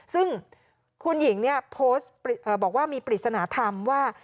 ซึ่งคุณหญิงเนี่ยโพสต์บอกว่ามีปริศนธรรมว่า